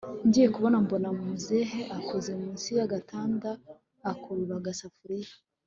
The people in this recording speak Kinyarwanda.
ngiyekubona mbona muzehe akoze munsi yagatanda akurura agasafuriya